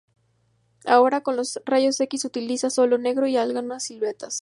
Ahora, con los rayos X, utiliza sólo negro y algunas siluetas.